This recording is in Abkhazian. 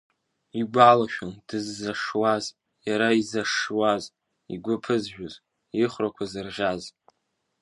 Игәалашәон дыззашшуаз, иара иззашуаз, игәы ԥызжәоз, ихәрақәа зырӷьаз…